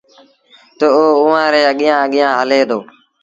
تا اوٚ اُئآݩٚ ري اڳيآنٚ اڳيآنٚ هلي دو